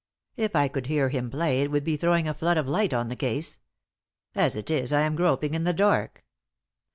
If I could hear him play it would be throwing a flood of light on the case. As it is, I am groping in the dark."